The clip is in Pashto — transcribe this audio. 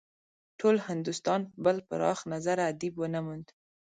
ټول هندوستان بل پراخ نظره ادیب ونه موند.